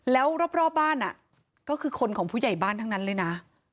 แล้วรอบบ้านก็คือคนของผู้ใหญ่บ้านทั้งนั้นเลยนะ